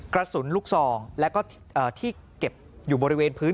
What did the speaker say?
กระสุนลูกซองแล้วก็ที่เก็บอยู่บริเวณพื้น